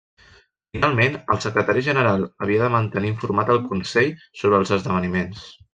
Finalment, el secretari general havia de mantenir informat el Consell sobre els esdeveniments.